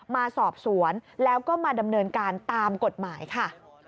มาสอบสวนแล้วก็มาดำเนินการตามกฎหมายค่ะ